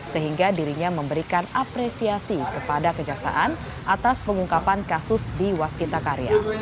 sehingga dirinya memberikan apresiasi kepada kejaksaan atas pengungkapan kasus di waskita karya